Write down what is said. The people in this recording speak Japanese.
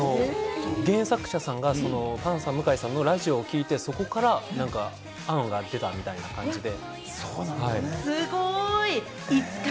原作者さんがパンサー・向井さんのラジオを聞いて、そこから何か案が出たみたいな感じで。